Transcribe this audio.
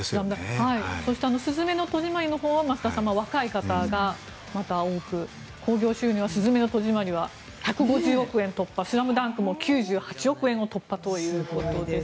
そして「すずめの戸締まり」のほうは増田さん、若い方がまた多く興行収入は「すずめの戸締まり」は１５０億円突破「ＳＬＡＭＤＵＮＫ」も９８億円を突破ということです。